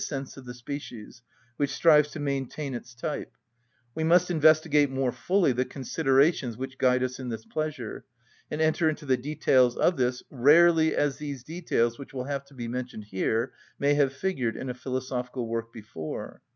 _, sense of the species, which strives to maintain its type, we must investigate more fully the considerations which guide us in this pleasure, and enter into the details of this, rarely as these details which will have to be mentioned here may have figured in a philosophical work before.